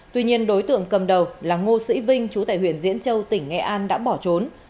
tuy nhiên đối tượng cầm đầu là ngô sĩ vinh chú tại huyện diễn châu tỉnh nghệ an đã bỏ trốn